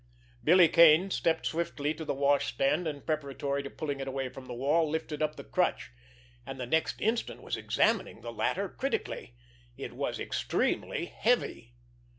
Billy Kane stepped swiftly to the washstand, and, preparatory to pulling it away from the wall, lifted up the crutch—and the next instant was examining the latter critically. It was extremely heavy.